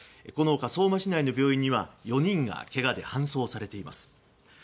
この他、相馬市内の病院には４人がけがで搬送されています。